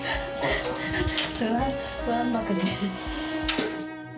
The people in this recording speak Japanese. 不安、不安ばかり。